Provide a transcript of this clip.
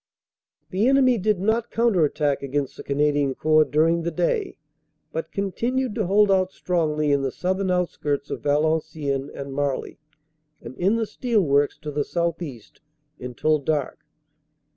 "The enemy did not counter attack against the Canadian Corps during the day, but continued to hold out strongly in CAPTURE OF VALENCIENNES 369 the southern outskirts of Valenciennes and Marly, and in the steel works to the southeast until dark.